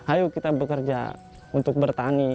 ayo kita bekerja untuk bertani